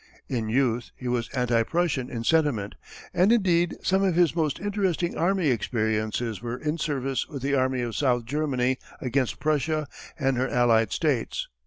In youth he was anti Prussian in sentiment, and indeed some of his most interesting army experiences were in service with the army of South Germany against Prussia and her allied states.